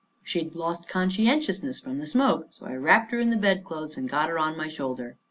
She'd lost conscientiousness from the smoke, so I wrapped her in the bed clothes and got her on my shoulder.